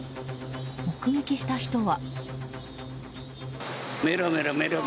目撃した人は。